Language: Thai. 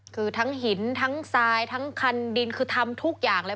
คือทั้งหินทั้งทรายทั้งคันดินคือทำทุกอย่างเลย